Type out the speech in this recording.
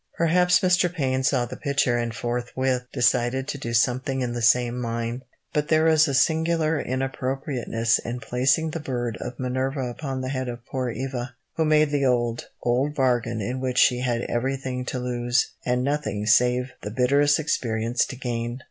Perhaps Mr. Payne saw the picture and forthwith decided to do something in the same line, but there is a singular inappropriateness in placing the bird of Minerva upon the head of poor Eva, who made the old, old bargain in which she had everything to lose, and nothing save the bitterest experience to gain.